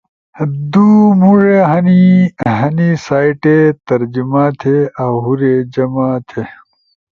دُو مُوڙے ہنے۔ ہنی سائٹے ترجمہ تھے اؤ ہُورے جمع تھی۔